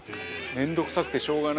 面倒くさくてしょうがない。